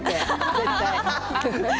絶対。